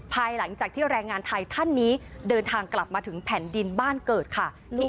ภายหลังจากที่แรงงานไทยท่านนี้เดินทางกลับมาถึงแผ่นดินบ้านเกิดค่ะ